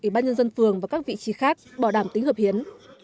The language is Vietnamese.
ủy ban nhân dân phường và các vị trí khác bảo đảm tính hợp hiến